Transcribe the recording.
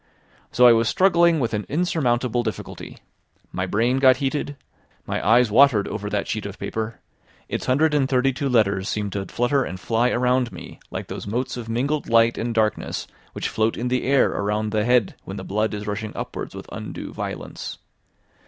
So I was struggling with an insurmountable difficulty; my brain got heated, my eyes watered over that sheet of paper; its hundred and thirty two letters seemed to flutter and fly around me like those motes of mingled light and darkness which float in the air around the head when the blood is rushing upwards with undue violence.